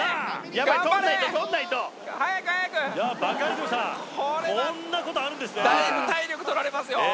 やばい取んないと取んないとバカリズムさんこんなことあるんですねだいぶ体力取られますよ